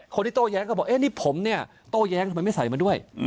คนที่โตแย้งก็บอกนี่ผมเนี่ยโตแย้งทำไมไม่ใส่มาด้วย